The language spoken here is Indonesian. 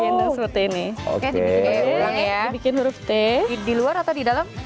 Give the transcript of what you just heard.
gendong seperti ini oke dibikin huruf t ya dibikin huruf t diluar atau didalam